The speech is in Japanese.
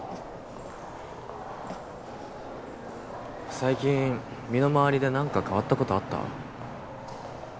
最近身の回りで何か変わったことあった？